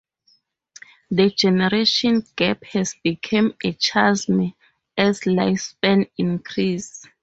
The generation gap has become a chasm as lifespans increase.